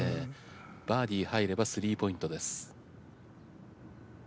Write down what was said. バーディ入れば３ポイントです。